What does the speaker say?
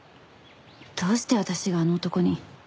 どうして私があの男に？